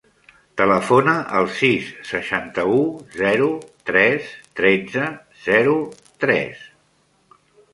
Telefona al sis, seixanta-u, zero, tres, tretze, zero, tres.